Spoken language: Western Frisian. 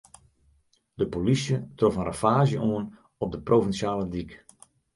De polysje trof in ravaazje oan op de provinsjale dyk.